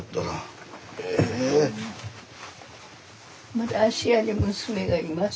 まだ芦屋に娘がいます。